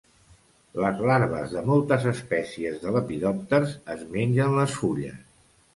Les larves de moltes espècies de lepidòpters es mengen les fulles.